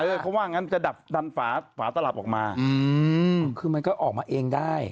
เออเขาว่างั้นจะดันฝาตลับออกมาคือมันก็ออกมาเองได้